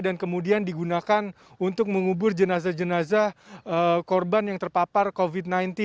dan kemudian digunakan untuk mengubur jenazah jenazah korban yang terpapar covid sembilan belas